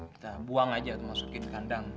kita buang aja masukin kandang